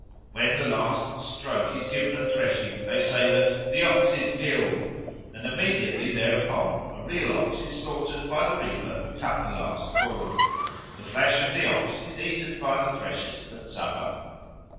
When the last stroke is given at threshing they say that "the Ox is killed"; and immediately thereupon a real ox is slaughtered by the reaper who cut the last corn. The flesh of the ox is eaten by the threshers at supper.